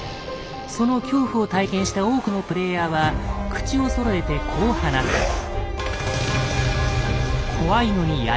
その恐怖を体験した多くのプレイヤーは口をそろえてこう話す。